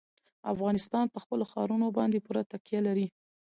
افغانستان په خپلو ښارونو باندې پوره تکیه لري.